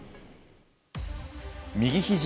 右ひじ